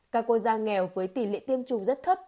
các quốc gia nghèo với tỷ lệ tiêm chủng rất thấp